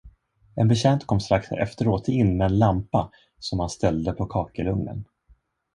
En betjänt kom strax efteråt in med en lampa, som han ställde på kakelugnen.